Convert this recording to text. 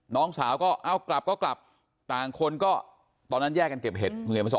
น้องสาวก็เอากลับก็กลับต่างคนก็ตอนนั้นแยกกันเก็บเห็ด